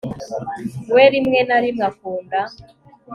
We rimwe na rimwe akunda